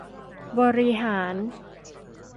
บริหาร